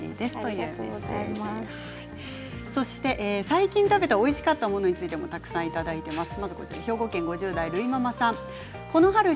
最近食べておいしかったものについてもたくさんいただいています。